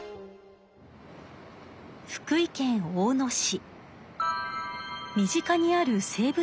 福井県大野市。